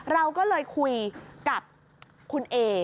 เราก็เลยคุยกับคุณเอ